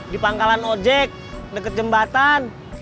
di pangkalan ojek dekat jembatan